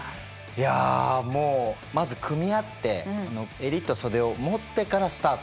いやもうまず組み合って襟と袖を持ってからスタートなんですね。